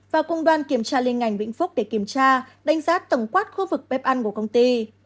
và cùng đoàn kiểm tra liên ngành vĩnh phúc để kiểm tra đánh giá tổng quát khu vực bếp ăn của công ty